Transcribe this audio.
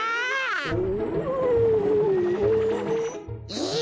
えっ？